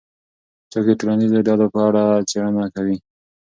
څوک د ټولنیزو ډلو په اړه څېړنه کوي؟